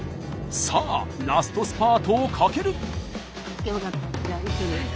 さあラストスパートをかける！